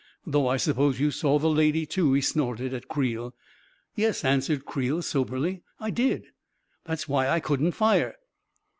Though I suppose you saw the lady, too 1 " he snorted at Creel. 44 Yes," answered Creel, soberly, 4I I did. That's why I couldn't fire."